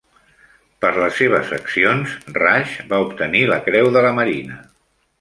Per les seves accions, Rush va obtenir la Creu de la Marina.